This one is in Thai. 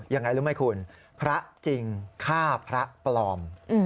ยังไงรู้ไหมคุณพระจริงฆ่าพระปลอม